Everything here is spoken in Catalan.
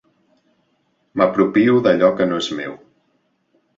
M'apropio d'allò que no és meu.